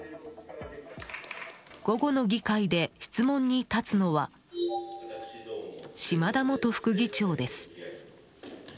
午後の議会で質問に立つのは島田元副議長です。